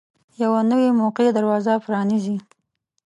یوه نوې موقع دروازه پرانیزي.